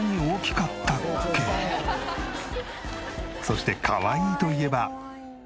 そしてかわいいといえば。